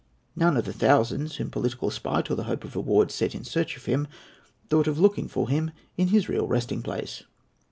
None of the thousands whom political spite or the hope of reward set in search of him thought of looking for him in his real resting place.